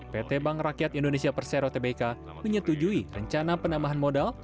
pt bank rakyat indonesia persero tbk menyetujui rencana penambahan modal